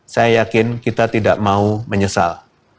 saya yakin kita tidak mau menyesal